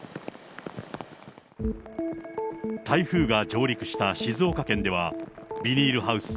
台風が上陸した静岡県では、ビニールハウス